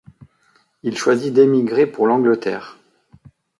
Il choisit d'émigrer pour l'Angleterre.